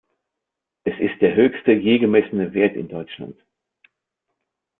Es ist der höchste je gemessene Wert in Deutschland.